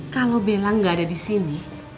kalau bella gak ada disini